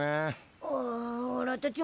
あおらたち